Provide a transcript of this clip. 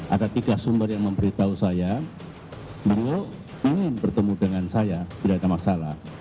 ada tiga sumber yang memberitahu saya beliau ingin bertemu dengan saya tidak ada masalah